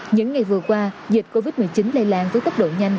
những ngày vừa qua dịch covid một mươi chín lây lan với tốc độ nhanh